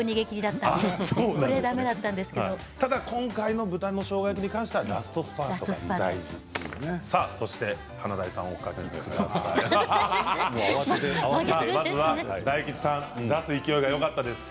ただ今回の豚のしょうが焼きについてはラストスパートなんですね。